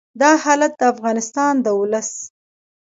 دا حالت د افغانستان د ولس